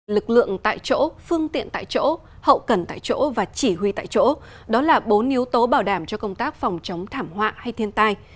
lực lượng tại chỗ phương tiện tại chỗ hậu cần tại chỗ và chỉ huy tại chỗ đó là bốn yếu tố bảo đảm cho công tác phòng chống thảm họa hay thiên tai